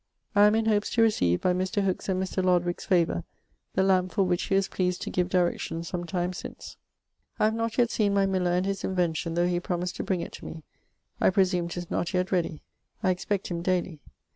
I am in hopes to receive, by Mr. Hooke's and Mr. Lodwick's favour, the lamp for which he was pleased to give directions some time since. I have not yet seen my miller and his invention, though he promised to bring it to me; I presume 'tis not yet ready. I expect him dayly.